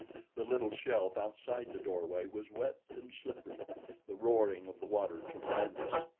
The little shelf outside the doorway was wet and slippery, the roaring of the water tremendous.